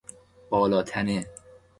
بالاتنه